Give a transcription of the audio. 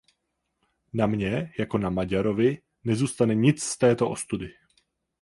Na mně, jako na Maďarovi, nezůstane nic z této ostudy.